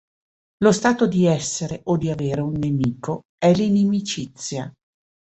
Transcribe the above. Lo stato di essere o di avere un nemico è l'inimicizia.